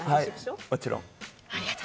もちろん！